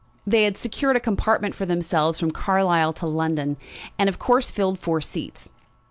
They had secured a compartment for themselves from Carlisle to London, and of course filled four seats.